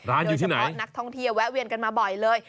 ร้านอยู่ที่ไหนโดยเฉพาะนักทองเทียแวะเวียนกันมาบ่อยเลย